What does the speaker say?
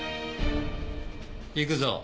行くぞ。